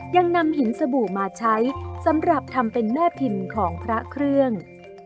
ยังนำหินสบู่มาใช้สำหรับทำเป็นแม่พิมพ์ของพระเครื่อง